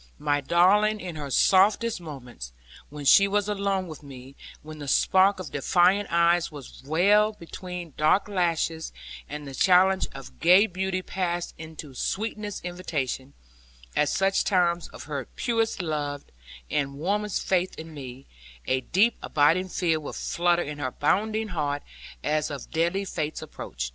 My darling in her softest moments, when she was alone with me, when the spark of defiant eyes was veiled beneath dark lashes, and the challenge of gay beauty passed into sweetest invitation; at such times of her purest love and warmest faith in me, a deep abiding fear would flutter in her bounding heart, as of deadly fate's approach.